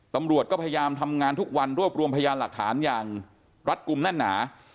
ตำรวจก็พยายามทำงานทุกวันรวบรวมพยานหลักฐานอย่างรัดกลุ่มแน่นหนา